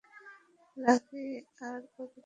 Lucky আর ওর দুই বন্ধু।